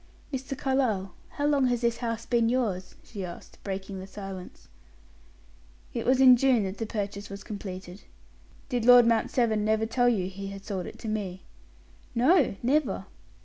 "Mr. Carlyle, how long has this house been yours?" she asked, breaking the silence. "It was in June that the purchase was completed. Did Lord Mount Severn never tell you he had sold it to me?" "No, never.